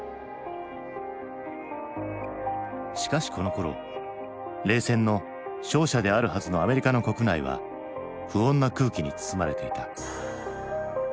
しかしこのころ冷戦の勝者であるはずのアメリカの国内は不穏な空気に包まれていた。